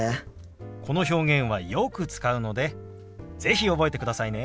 この表現はよく使うので是非覚えてくださいね。